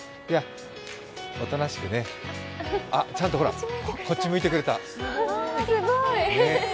おとなしくね、あ、ちゃんとほらこっち向いてくれた。